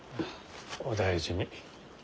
お大事に。